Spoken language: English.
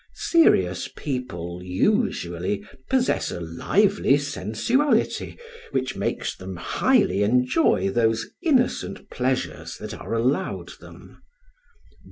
Serious people usually possess a lively sensuality, which makes them highly enjoy those innocent pleasures that are allowed them.